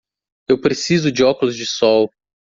Eu preciso de óculos de sol.